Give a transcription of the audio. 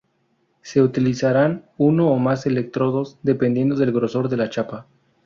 Se utilizarán uno o más electrodos dependiendo del grosor de la chapa.